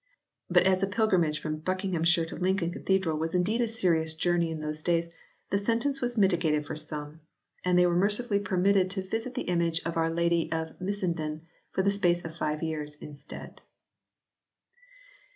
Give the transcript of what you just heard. But as a pilgrimage from Buckinghamshire to Lincoln cathedral was indeed a serious journey in those days, the sentence was miti gated for some, and they were mercifully permitted to visit the image of our Lady of Missenden for the space of five years instead.